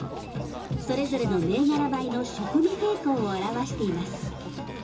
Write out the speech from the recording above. それぞれの銘柄米の食味傾向を表しています。